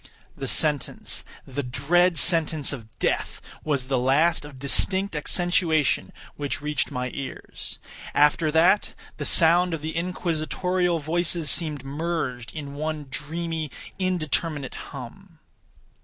The sentence—the dread sentence of death—was the last of distinct accentuation which reached my ears. After that, the sound of the inquisitorial voices seemed merged in one dreamy indeterminate hum.